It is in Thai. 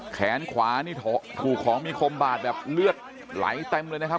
แขนขวานี่ถูกของมีคมบาดแบบเลือดไหลเต็มเลยนะครับ